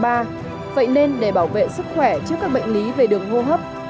vậy nên để bảo vệ sức khỏe trước các bệnh lý về đường hô hấp